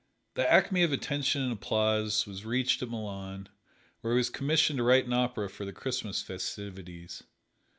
The acme of attention and applause was reached at Milan, where he was commissioned to write an opera for the Christmas festivities.